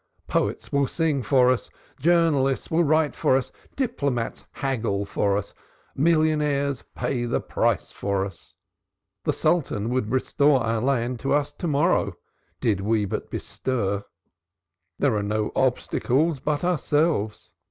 Poets will sing for us, journalists write for us, diplomatists haggle for us, millionaires pay the price for us. The sultan would restore our land to us to morrow, did we but essay to get it. There are no obstacles but ourselves.